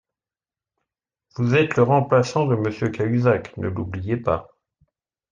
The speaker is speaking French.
Vous êtes le remplaçant de Monsieur Cahuzac, ne l’oubliez pas